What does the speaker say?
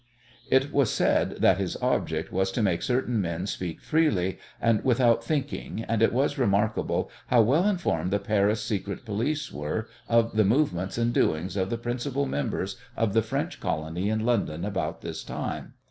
It was said that his object was to make certain men speak freely and without thinking, and it was remarkable how well informed the Paris secret police were of the movements and doings of the principal members of the French colony in London about this time.